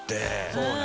そうね。